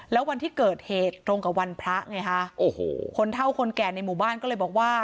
แล้ววันที่เกิดเหตุตรงกับวันพระไงฮะโอ้โหคนเท่าคนแก่ในหมู่บ้านก็เลยบอกว่า